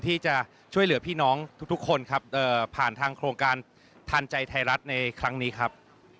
ที่จะช่วยเหลือพี่น้องทุกคนครับผ่านทางโครงการทานใจไทยรัฐในครั้งนี้ครับ